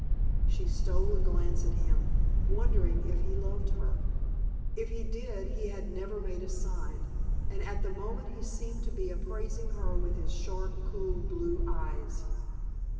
She stole a glance at him, wondering if he loved her. If he did he had never made a sign, and at the moment he seemed to be appraising her with his sharp cool blue eyes.